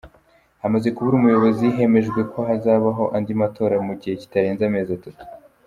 Hamaze kubura umuyobozi hemejwe ko hazabaho andi matora mu gihe kitarenze amezi atatu.